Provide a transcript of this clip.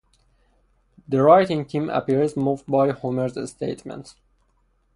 The writing team appears moved by Homer's statement.